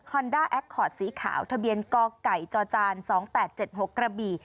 คอนด้าแอคคอร์ดสีขาวทะเบียนกอกไก่จอจานสองแปดเจ็ดหกกระบี่